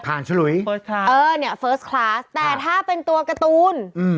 ผ่านชุดหลุยเฟิร์สคลาสแต่ถ้าเป็นตัวการ์ตูน